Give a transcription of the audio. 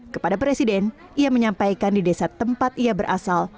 kepada presiden ia menyampaikan di desa tempat ia berasal